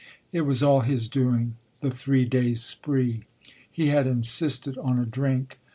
It was all his doing the three days spree. He had insisted on a drink.